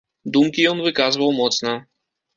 Думкі ён выказваў моцна.